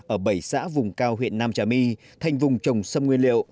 ở bảy xã vùng cao huyện nam trà my thành vùng trồng sâm nguyên liệu